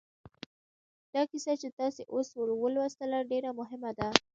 دا کیسه چې تاسې اوس ولوسته ډېره مهمه ده